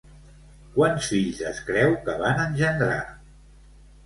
Quants fills es creu que van engendrar?